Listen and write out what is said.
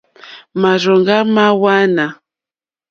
Márzòŋɡá mâ hwánà.